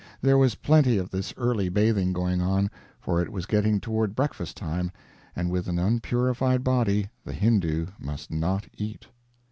There was plenty of this early bathing going on, for it was getting toward breakfast time, and with an unpurified body the Hindoo must not eat.